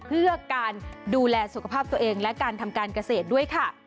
เพื่อการดูแลสุขภาพตัวเองและการทำการเกษตรด้วยค่ะ